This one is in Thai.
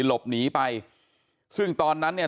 หลบหนีไปซึ่งตอนนั้นเนี่ย